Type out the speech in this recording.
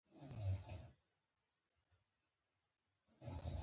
په لوړ غږ لوستل هم یوه مؤثره طریقه ده.